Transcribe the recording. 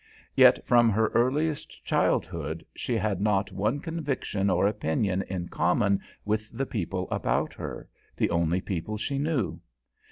Yet from her earliest childhood she had not one conviction or opinion in common with the people about her, the only people she knew.